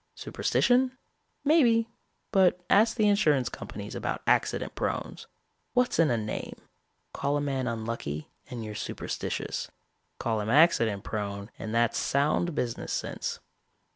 Superstition? Maybe; but ask the insurance companies about accident prones. What's in a name? Call a man unlucky and you're superstitious. Call him accident prone and that's sound business sense.